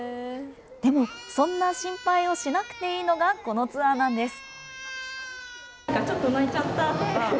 でも、そんな心配をしなくていいのが、このツアーなんです。